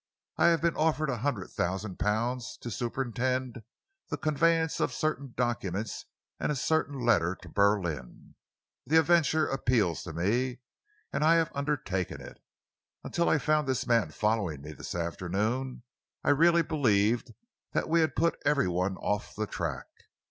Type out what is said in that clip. I have been offered a hundred thousand pounds to superintend the conveyance of certain documents and a certain letter to Berlin. The adventure appeals to me, and I have undertaken it. Until I found this man following me this afternoon, I really believed that we had put every one off the track.